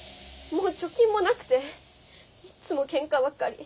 もう貯金もなくていつも喧嘩ばかり。